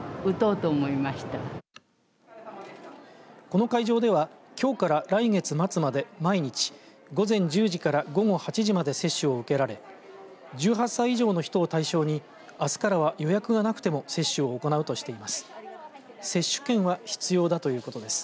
この会場ではきょうから来月末まで毎日午前１０時から午後８時まで接種を受けられ１８歳以上の人を対象にあすからは予約がなくても接種を行うとしています。